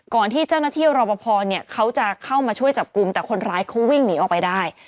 ที่เจ้าหน้าที่รอปภเนี่ยเขาจะเข้ามาช่วยจับกลุ่มแต่คนร้ายเขาวิ่งหนีออกไปได้